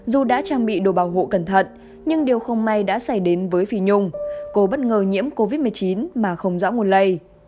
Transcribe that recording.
dù đã trang bị đồ bảo hộ cẩn thận nhưng điều không may đã xảy đến với phi nhung cô bất ngờ nhiễm covid một mươi chín mà không rõ nguồn lây